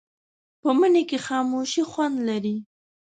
په مني کې خاموشي خوند لري